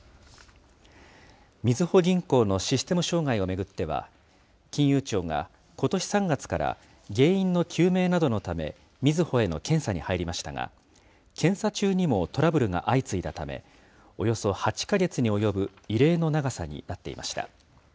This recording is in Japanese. みずほ銀行のシステム障害を巡っては、金融庁がことし３月から原因の究明などのため、みずほへの検査に入りましたが、検査中にもトラブルが相次いだため、およそ８か月に及ぶ異例の長さになっていました。